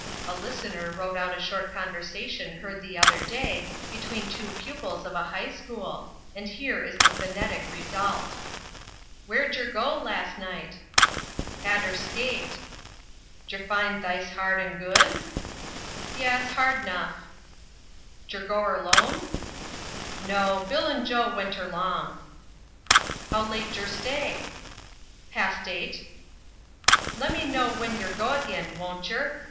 A listener wrote out a short conversation heard the other day between two pupils of a high school, and here is the phonetic result: "Warejergo lasnight?" "Hadder skate." "Jerfind th'ice hard'n'good?" "Yes, hard'nough." "Jer goerlone?" "No; Bill'n Joe wenterlong." "Howlate jerstay?" "Pastate." "Lemmeknow wenyergoagin, woncher?